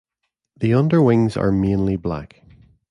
The underwings are mainly black.